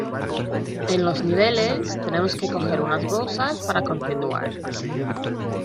En los niveles, tenemos que coger unas bolsas para continuar.